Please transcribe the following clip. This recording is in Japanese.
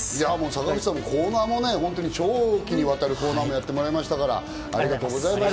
坂口さんには長期にわたるコーナーもやってもらいました、ありがとうございました。